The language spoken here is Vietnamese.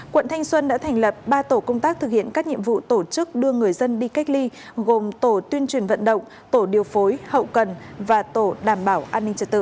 quận thanh xuân đã thành lập ba tổ công tác thực hiện các nhiệm vụ tổ chức đưa người dân đi cách ly gồm tổ tuyên truyền vận động tổ điều phối hậu cần và tổ đảm bảo an ninh trật tự